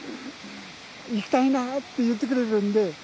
行きたいなって言ってくれるんで。